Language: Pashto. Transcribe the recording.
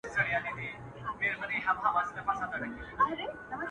• پاچا که د جلاد پر وړاندي؛ داسي خاموش وو؛